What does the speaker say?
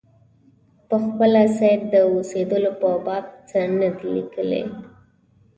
پخپله سید د اوسېدلو په باب څه نه دي لیکلي.